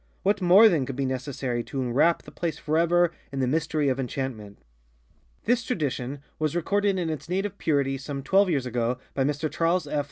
What more, then, could be necessary to enwrap the place forever after in the mystery of enchantment? This tradition was recorded in its native purity some twelve years ago by Mr Charles F.